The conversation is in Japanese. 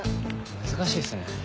難しいっすね。